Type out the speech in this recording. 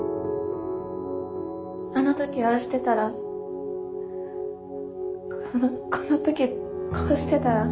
あの時ああしてたらこの時こうしてたら。